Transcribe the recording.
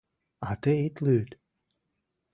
— А тый ит лӱд.